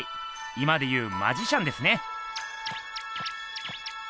今で言うマジシャンですね。